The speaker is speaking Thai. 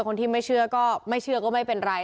คนที่ไม่เชื่อก็ไม่เชื่อก็ไม่เป็นไร